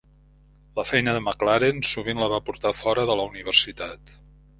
La feina de McLaren sovint la va portar fora de la Universitat.